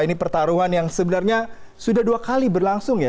ini pertarungan yang sebenarnya sudah dua kali berlangsung ya